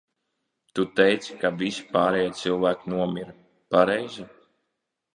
Tu teici, ka visi pārējie cilvēki nomira, pareizi?